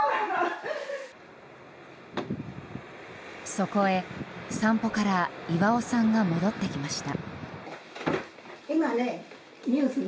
そこへ、散歩から巌さんが戻ってきました。